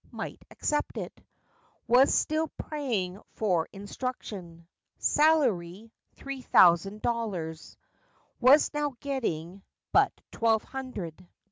Might accept it. Was still praying for instruction. Salary, three thousand dollars. Was now getting but twelve hundred.